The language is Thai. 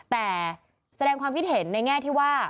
แต่แสดงความคิดเห็นในแง่ที่ว่า